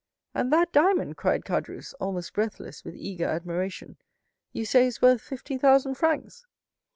"And that diamond," cried Caderousse, almost breathless with eager admiration, "you say, is worth fifty thousand francs?"